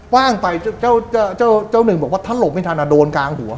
ว่างไปเจ้าหนึ่งบอกว่าถ้าหลบไม่ทันโดนกลางหัว